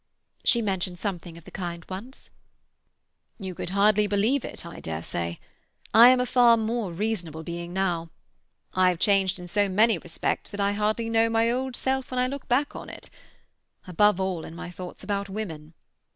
"She mentioned something of the kind once." "You could hardly believe it, I dare say? I am a far more reasonable being now. I have changed in so many respects that I hardly know my old self when I look back on it. Above all, in my thoughts about women.